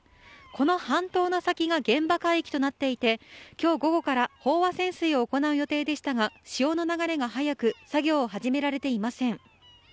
この半島の先が現場海域となっていて今日午後から飽和潜水を行う予定でしたが潮の流れが速く作業を始められていません。